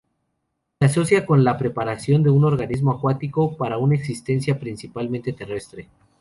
Se asocia con la preparación de un organismo acuático para una existencia principalmente terrestre.